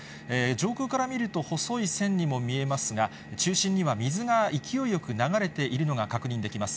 上空から見ると、細い線にも見えますが、中心には水が勢いよく流れているのが確認できます。